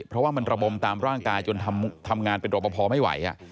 เพราะว่ามันระบมตามร่างกายจนทำงานเป็นรอปภไม่ไหว